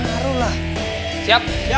liat gue cabut ya